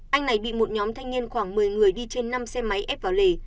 anh này bị một nhóm thanh niên khoảng một mươi người đi trên năm xe máy ép vào lề